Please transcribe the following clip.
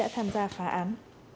tham gia phá án